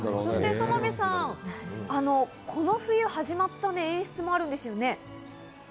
園部さん、この冬始まった初めての演出もあるんですね？